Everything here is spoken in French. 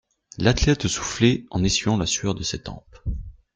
L'athlète soufflait en essuyant la sueur de ses tempes.